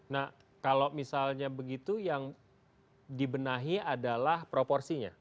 nah kalau misalnya begitu yang dibenahi adalah proporsinya